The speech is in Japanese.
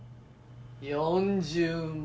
４０万。